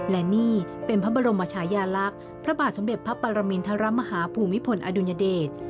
และนี่เป็นพระบรมชายาลักษณ์พระบาทสมเด็จพระปรมินทรมาฮาภูมิพลอดุลยเดช